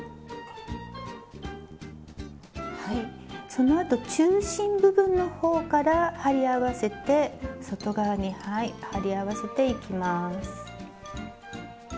そのあと中心部分の方から貼り合わせて外側に貼り合わせていきます。